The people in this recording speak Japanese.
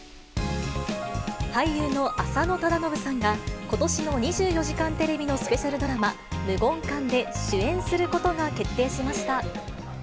俳優の浅野忠信さんが、ことしの２４時間テレビのスペシャルドラマ、無言館で主演することが決定しました。